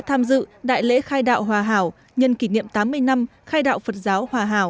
tham dự đại lễ khai đạo hòa hảo nhân kỷ niệm tám mươi năm khai đạo phật giáo hòa hào